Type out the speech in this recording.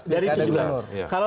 dari tujuh belas ya